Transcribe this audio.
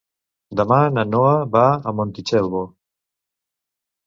Demà na Noa va a Montitxelvo.